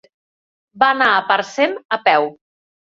Va anar a Parcent a peu.